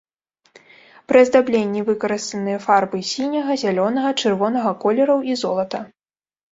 Пры аздабленні выкарыстаныя фарбы сіняга, зялёнага, чырвонага колераў і золата.